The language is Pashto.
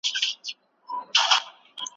غوره فرصتونه یوازي مستحقو ته نه سي ښودل کېدلای.